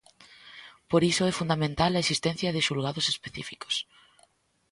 Por iso é fundamental a existencia de xulgados específicos.